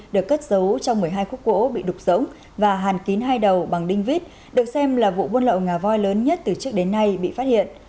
được cất giấu trong một mươi hai khúc gỗ bị đục rỗng và hàn kín hai đầu bằng đinh vít được xem là vụ buôn lậu ngà voi lớn nhất từ trước đến nay bị phát hiện